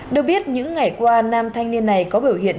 được biết những ngày qua nam thanh niên này có biểu hiện